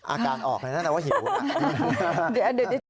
อาการออกไปลักษณะว่าหิวนะ